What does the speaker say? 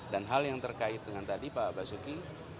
dan hal yang terkait dengan tadi pak basuki